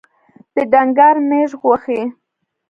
د ډنګر مږ غوښي